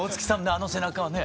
あの背中はね。